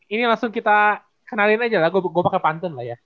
ini langsung kita kenalin aja lagu gue bakal pantun lah ya